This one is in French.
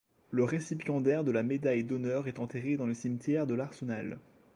Le récipiendaire de la médaille d'honneur est enterré dans le cimetière de l'arsenal.